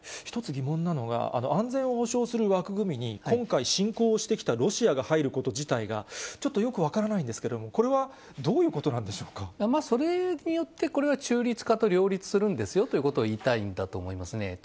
１つ疑問なのは、安全を保証する枠組みに、今回、侵攻してきたロシアが入ること自体が、ちょっとよく分からないんですけれども、これはどういうこそれによって、これは中立化と両立するんですよということを言いたいんだと思いますね。